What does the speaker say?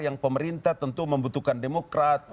yang pemerintah tentu membutuhkan demokrat